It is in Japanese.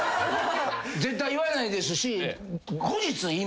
絶対言わないですし。